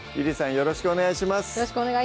よろしくお願いします